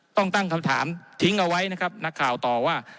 ต้องตั้งคำถามทิ้งเอาไว้นะครับนักข่าวต่อว่า